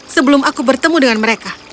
sebelum aku bertemu dengan mereka